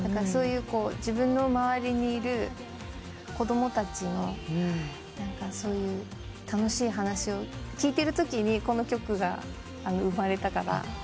そういう自分の周りにいる子供たちのそういう楽しい話を聞いてるときにこの曲が生まれたから。